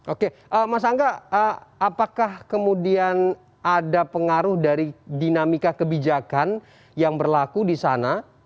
oke mas angga apakah kemudian ada pengaruh dari dinamika kebijakan yang berlaku di sana